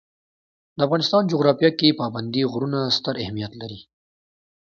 د افغانستان جغرافیه کې پابندی غرونه ستر اهمیت لري.